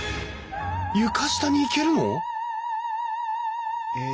床下に行けるの？え。